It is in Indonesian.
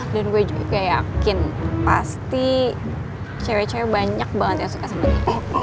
dan gue juga yakin pasti cewek cewek banyak banget yang suka sama dia